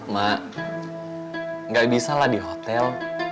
mak gak bisa lah di hotel